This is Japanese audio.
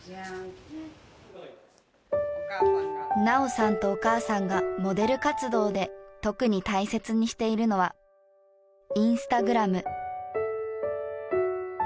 菜桜さんとお母さんがモデル活動で特に大切にしているのはインスタグラム。